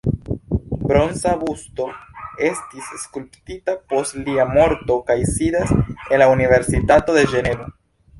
Bronza busto estis skulptita post lia morto kaj sidas en la "Universitato de Ĝenevo".